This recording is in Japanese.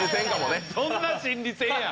どんな心理戦や！